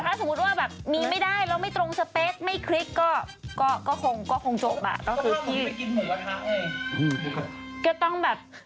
แต่ถ้าสมมติว่าแบบมีไม่ได้แล้วไม่ตรงสเปคไม่คลึกก็คงจบ้าง